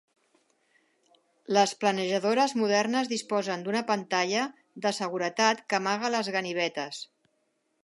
Les planejadores modernes disposen d'una pantalla de seguretat que amaga les ganivetes.